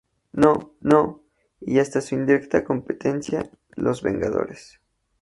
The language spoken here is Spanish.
No" y hasta a su indirecta competencia, "Los vengadores".